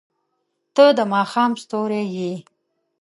• ته د ماښام ستوری یې.